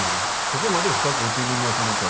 ここまで深く内刳りをするか。